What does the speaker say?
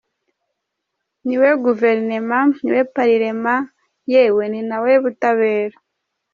Niwe Gouvernement, niwe Parlement, yewe ninawe Butabera !